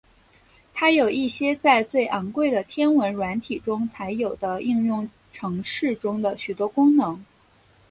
它有一些在最昂贵的天文软体中才有的应用程式中的许多功能。